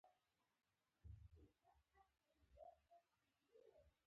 جميلې وويل: له ما سره خو لا شکر دی سایبان شته.